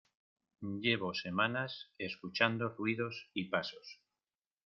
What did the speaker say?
llevo semanas escuchando ruidos y pasos.